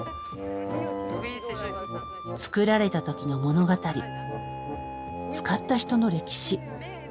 作られた時の物語使った人の歴史